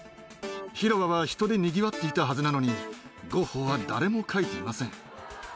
広場は人でにぎわっていたはずなのにゴッホは誰も描いていません。